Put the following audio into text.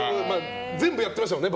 全部やってましたもんね